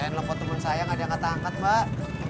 sayang lepot temen saya gak ada yang kata angkat mbak